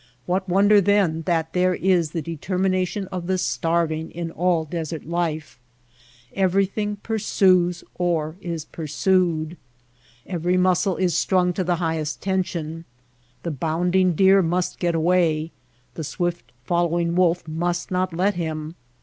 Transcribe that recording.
What wonder then that there is the determi nation of the starving in all desert life ! Every thing pursues or is pursued. Every muscle is strung to the highest tension. The bounding deer must get away; the swift following wolf must not let him.